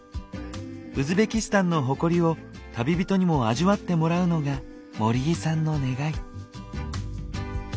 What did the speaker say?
ウズベキスタンの誇りを旅人にも味わってもらうのが盛井さんの願い。